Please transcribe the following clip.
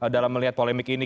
dalam melihat polemik ini